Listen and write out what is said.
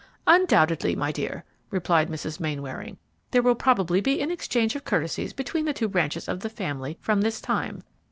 "Undoubtedly, my dear," replied Mrs. Mainwaring, "there will probably be an exchange of courtesies between the two branches of the family from this time.